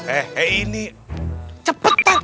eh eh ini cepetan